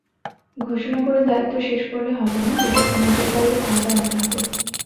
ঘোষণা করে দায়িত্ব শেষ করলে হবে না, বিষয়টি নজরদারির আওতায় আনতে হবে।